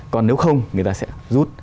còn nếu không người ta sẽ rút